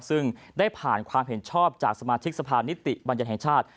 ซึ่งได้ผ่านความเห็นชอบจากสมาชิกสภานิติบัญญัติแห่งชาติ